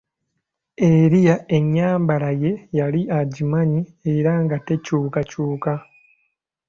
Eriya ennyambala ye yali agimanyi era nga tekyukakyuka.